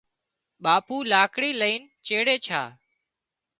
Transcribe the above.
ٻاپو لاڪڙي لئينش چيڙي ڇا